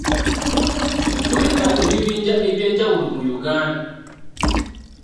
Tulina ebibinja eby'enjawulo mu Uganda.